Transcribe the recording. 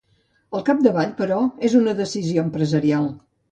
Al capdavall, però, és una decisió empresarial.